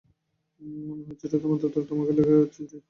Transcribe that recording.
মনে হচ্ছে এটা তোমার দাদুর তোমাকে লেখা চিঠি।